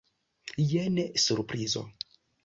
Jen surprizo!